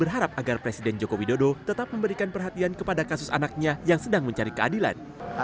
berharap agar presiden joko widodo tetap memberikan perhatian kepada kasus anaknya yang sedang mencari keadilan